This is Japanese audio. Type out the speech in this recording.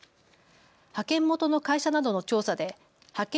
派遣元の会社などの調査で派遣